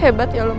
hebat ya lo mbak